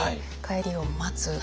帰りを待つ。